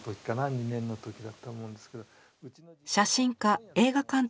２年の時だと思うんですけど。